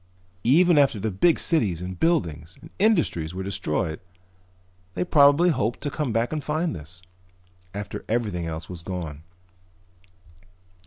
Even after their big cities and buildings and industries were destroyed they probably hoped to come back and find this. After everything else was gone."